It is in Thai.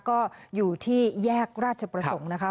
ก็อยู่ที่แยกราชประสงค์นะคะ